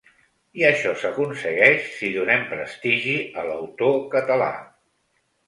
I això s’aconsegueix si donem prestigi a l’autor català.